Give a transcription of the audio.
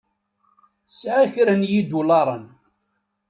Sɛiɣ kra n yidulaṛen.